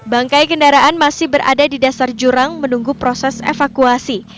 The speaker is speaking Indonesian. bangkai kendaraan masih berada di dasar jurang menunggu proses evakuasi